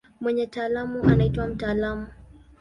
Mwenye taaluma anaitwa mtaalamu.